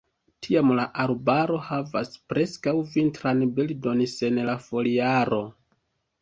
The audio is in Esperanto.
Tiam la arbaro havas preskaŭ vintran bildon sen la foliaro.